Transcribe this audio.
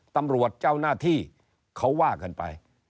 ตำรวจเจ้าหน้าที่เขาว่ากันไป